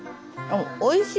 おいしい。